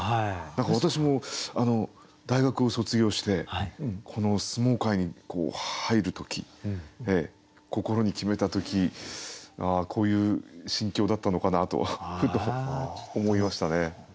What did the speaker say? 何か私も大学を卒業してこの相撲界に入る時心に決めた時こういう心境だったのかなとふと思いましたね。